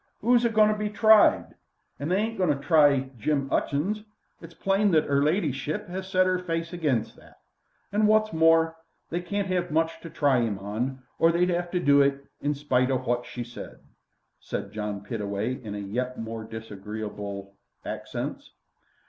'Oo's a goin' to be tried? They ain't agoin' to try Jim 'Utchings. It's plain that 'er ladyship 'as set 'er face against that. And, wot's more, they can't 'ave much to try 'im on, or they'd 'ave to do it, in spite o' wot she said," said John Pittaway in yet more disagreeable accents.